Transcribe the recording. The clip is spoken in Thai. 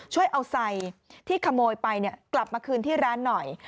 ช่วยเอาใส่ที่ขโมยไปกลับมาคืนที่ร้านหน่อย